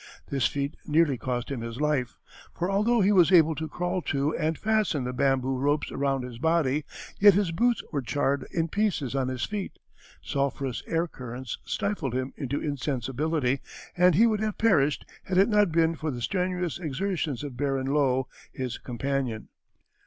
This feat nearly cost him his life, for although he was able to crawl to and fasten the bamboo ropes around his body, yet his boots were charred in pieces on his feet, sulphurous air currents stifled him into insensibility, and he would have perished had it not been for the strenuous exertions of Baron Löe, his companion.